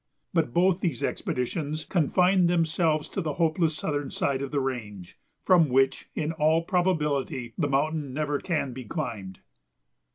But both these expeditions confined themselves to the hopeless southern side of the range, from which, in all probability, the mountain never can be climbed.